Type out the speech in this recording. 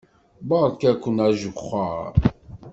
Beṛka-ken ajexxeṛ.